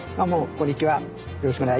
こんにちは。